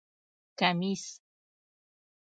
👗 کمېس